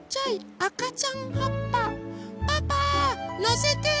パパのせて！